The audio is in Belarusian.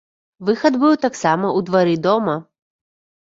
Выхад быў таксама ў двары дома.